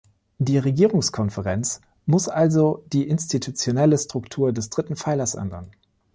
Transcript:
Die Regierungskonferenz muss also die institutionelle Struktur des dritten Pfeilers ändern.